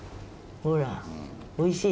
ほらおいしい？